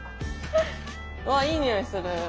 うわいい匂いする。